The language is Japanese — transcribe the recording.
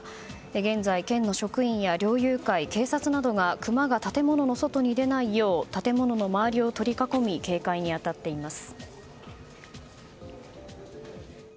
現在、県の職員や猟友会警察などがクマが建物の外に出ないよう建物の周りを取り囲み警戒に当たっています。